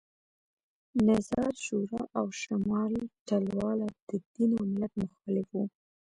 نظار شورا او شمال ټلواله د دین او ملت مخالف وو